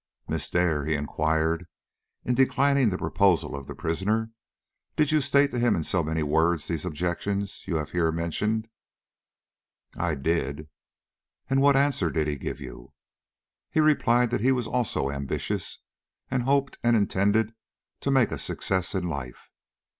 "Miss Dare," he inquired, "in declining the proposals of the prisoner, did you state to him in so many words these objections you have here mentioned?" "I did." "And what answer did he give you?" "He replied that he was also ambitious, and hoped and intended to make a success in life."